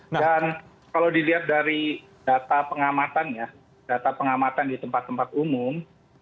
kalau dilihat dari data pengamatan ya data pengamatan di tempat tempat umum